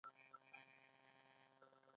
د خیاطۍ دوکانونه د ښځو لپاره شته؟